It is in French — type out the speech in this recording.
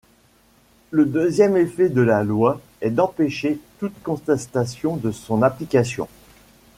Le deuxième effet de la loi est d'empêcher toute contestation de son application.